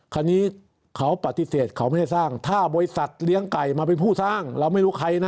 คันนี้เขาปฏิเสธเขาไม่ได้สร้างถ้าบริษัทเลี้ยงไก่มาเป็นผู้สร้างเราไม่รู้ใครนะ